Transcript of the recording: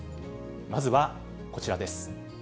まずはこちらです。